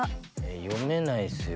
読めないっすよ。